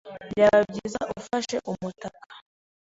Byaba byiza ufashe umutaka.